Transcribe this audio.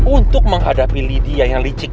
untuk menghadapi lidia yang licik